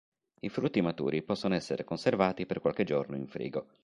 I frutti maturi possono essere conservati per qualche giorno in frigo.